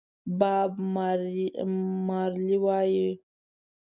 باب مارلې وایي ماضي په راتلونکي کې هېرېږي.